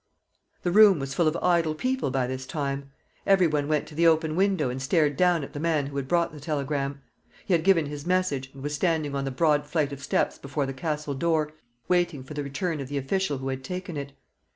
The room was full of idle people by this time. Every one went to the open window and stared down at the man who had brought the telegram. He had given his message, and was standing on the broad flight of steps before the Castle door, waiting for the return of the official who had taken it.